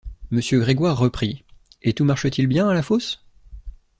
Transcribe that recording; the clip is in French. Monsieur Grégoire reprit: — Et tout marche-t-il bien, à la fosse?